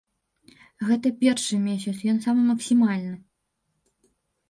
Гэта першы месяц, ён самы максімальны.